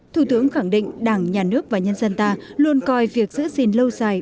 thủ tướng khẳng định đảng nhà nước và nhân dân ta luôn coi việc giữ gìn lâu dài